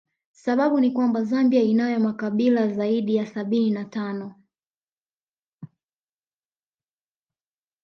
Sababu ni kwamba Zambia inayo makabila zaidi ya sabini na tano